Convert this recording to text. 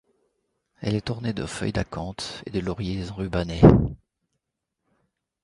Elle est ornée de feuilles d'acanthe et de lauriers enrubannés.